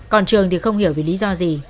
còn trường thì không hiểu vì lý do gì